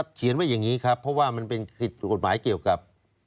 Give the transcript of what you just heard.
เพราะว่ามันเป็นกฤทธิ์กฎหมายเกี่ยวกับ